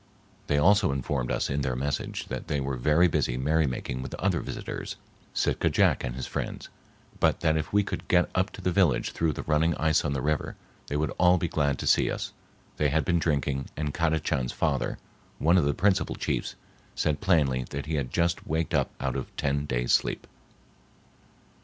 They also informed us in their message that they were very busy merrymaking with other visitors, Sitka Jack and his friends, but that if we could get up to the village through the running ice on the river, they would all be glad to see us; they had been drinking and Kadachan's father, one of the principal chiefs, said plainly that he had just waked up out of a ten days' sleep.